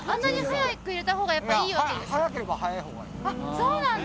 そうなんだ。